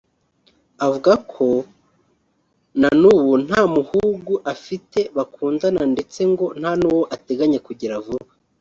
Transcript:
Avuga ko na n’ubu nta muhugu afite bakundana ndetse ngo nta n’uwo ateganya kugira vuba